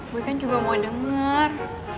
gue kan juga mau denger